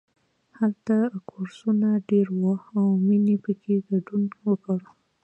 هلته کورسونه ډېر وو او مینې پکې ګډون وکړ